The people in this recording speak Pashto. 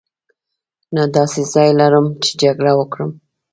نه داسې ځای لرم چې جګړه وکړم.